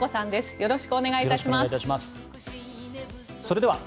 よろしくお願いします。